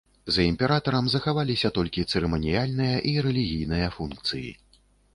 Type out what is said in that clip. За імператарам захаваліся толькі цырыманіяльныя і рэлігійныя функцыі.